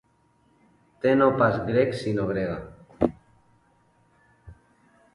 Te no pas grec sinó grega.